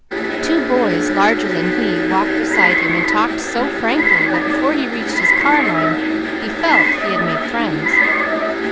Two boys larger than he walked beside him and talked so frankly, that before he reached his car line, he felt he had made friends.